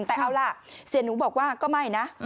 แต่เอาล่ะเสียหนูบอกว่าก็ไม่นะ